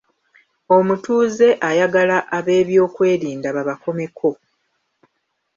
Omutuuze ayagala ab’ebyokwerinda babakomeko.